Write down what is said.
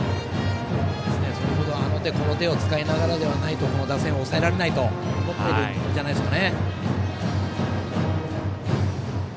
それ程、あの手この手を使いながらでないとこの打線を抑えられないと思ってるんじゃないでしょうかね。